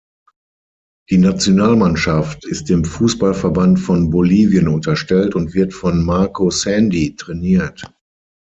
Die Nationalmannschaft ist dem Fußballverband von Bolivien unterstellt und wird von Marco Sandy trainiert.